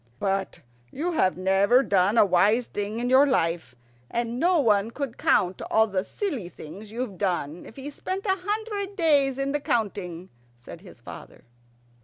"But you have never done a wise thing in your life, and no one could count all the silly things you've done if he spent a hundred days in counting," said his father.